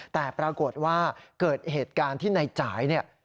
แต่ปรากฏว่าเกิดเหตุการณ์ที่ในจ่ายเนี่ย